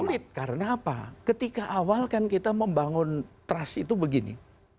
sulit karena apa ketika awal kan kita membangun trust itu begini